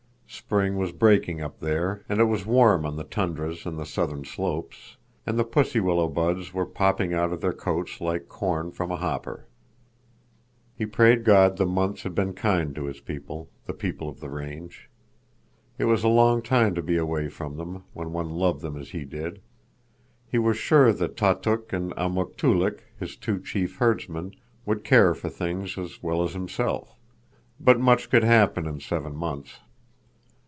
Spring was breaking up there, and it was warm on the tundras and the southern slopes, and the pussy willow buds were popping out of their coats like corn from a hopper. He prayed God the months had been kind to his people—the people of the range. It was a long time to be away from them, when one loved them as he did. He was sure that Tautuk and Amuk Toolik, his two chief herdsmen, would care for things as well as himself. But much could happen in seven months.